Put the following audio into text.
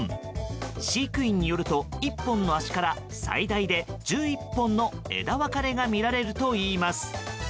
飼育員によると１本の足から最大で１１本の枝分かれが見られるといいます。